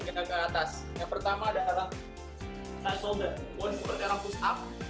kita ke atas yang pertama adalah touch shoulder